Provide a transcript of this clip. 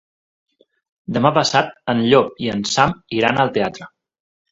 Demà passat en Llop i en Sam iran al teatre.